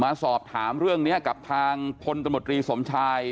สอบถามเรื่องนี้กับทางพลตมตรีสมชาย